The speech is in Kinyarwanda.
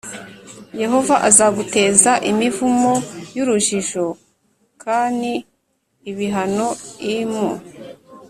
Yehova azaguteza imivumo j urujijo k n ibihano l mu